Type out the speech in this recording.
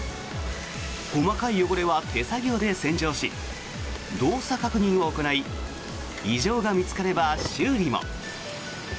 細かい汚れは手作業で洗浄し動作確認を行い異常が見つかれば修理も。